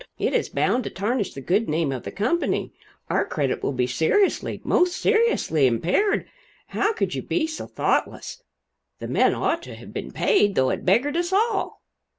It is bound to tarnish the good name of the company; our credit will be seriously, most seriously impaired. How could you be so thoughtless the men ought to have been paid though it beggared us all!"